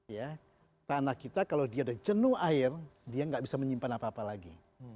ya tanah kita kalau dia ada jenuh air dia nggak bisa menyimpan apa apa lagi